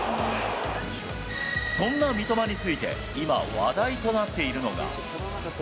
そんな三笘について、今、話題となっているのが。